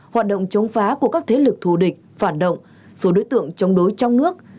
hoạt động chống phá của các thế lực thù địch phản động số đối tượng chống đối trong nước